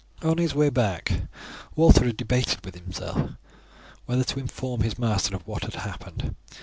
On his way back Walter had debated with himself whether to inform his master of what had happened.